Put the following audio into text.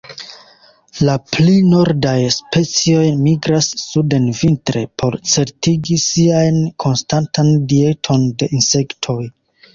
La pli nordaj specioj migras suden vintre, por certigi siajn konstantan dieton de insektoj.